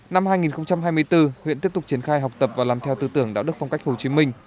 năm hai nghìn hai mươi bốn huyện tiếp tục triển khai học tập và làm theo tư tưởng đạo đức phong cách hồ chí minh